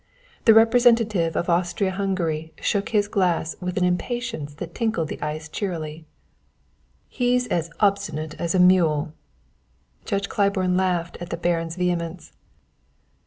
The representative of Austria Hungary shook his glass with an impatience that tinkled the ice cheerily. "He's as obstinate as a mule!" Judge Claiborne laughed at the Baron's vehemence.